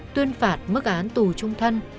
tuyên phạt mức án tù chung thân